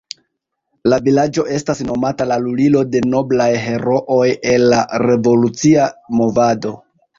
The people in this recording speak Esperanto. La vilaĝo estas nomata la lulilo de noblaj herooj en la revolucia movado.